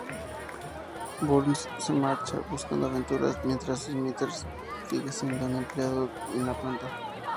Burns se marcha, buscando aventuras, mientras Smithers sigue siendo un empleado en la planta.